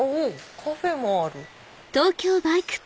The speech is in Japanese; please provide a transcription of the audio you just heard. カフェもある！